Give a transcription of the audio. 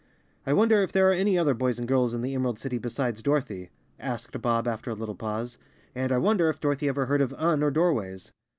"I wonder if there are any other boys and girls in the Emerald City besides Dorothy?" asked Bob, after a little pause. "And I wonder if Dorothy ever heard of Un or Doorways?"